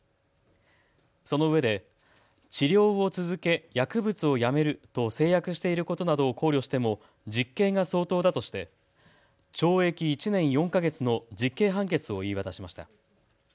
そのうえで治療を続け薬物をやめると誓約していることなどを考慮しても実刑が相当だとして懲役１年４か月の実刑判決を言い渡しました。